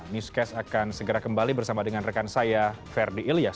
newscast akan segera kembali bersama dengan rekan saya ferdi ilyas